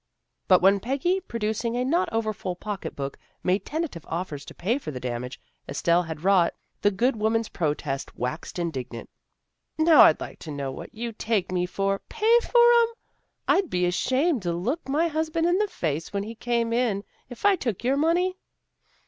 " But when Peggy, producing a not over full pocketbook, made tentative offers to pay for the damage Estelle had wrought, the good woman's protest waxed indignant. " Now I'd like to know what you take me for? Pay for 'em? I'd be ashamed to look my husband in the face when he came in if I took your money."